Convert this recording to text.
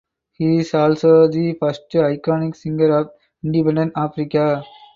He is also the first iconic singer of independent Africa.